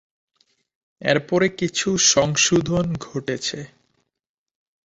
এরপরে কিছু সংশোধন ঘটেছে।